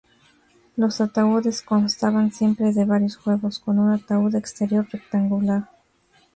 Los ataúdes constaban siempre de varios juegos, con un ataúd exterior rectangular.